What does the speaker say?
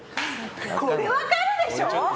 これ分かるでしょ！？